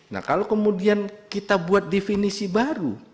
nah kalau kemudian kita buat definisi baru